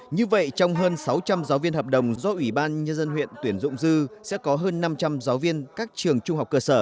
như vậy trong hơn sáu trăm linh giáo viên hợp đồng do ủy ban nhân dân huyện tuyển dụng dư sẽ có hơn năm trăm linh giáo viên các trường trung học cơ sở